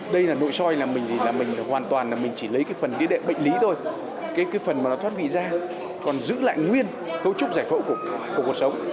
đây là nội soi là mình hoàn toàn là mình chỉ lấy cái phần đĩa đệm bệnh lý thôi cái phần mà nó thoát vị ra còn giữ lại nguyên cấu trúc giải phẫu của cuộc sống